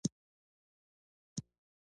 په چوتره کې سپينې ريتاړې ښکارېدلې.